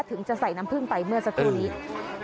ถึงจะใส่น้ำผึ้งไปเมื่อสักครู่นี้